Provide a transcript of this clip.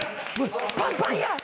パンパンや！